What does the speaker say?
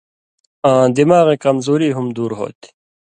آں دماغَیں کمزوری ہُم دُور ہو تھی۔